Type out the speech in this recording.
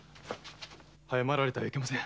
早まられてはいけません。